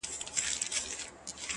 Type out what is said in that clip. o د زړو غمونو یاري. انډيوالي د دردونو.